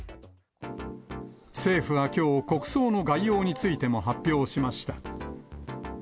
政府はきょう、国葬の概要についても発表しました。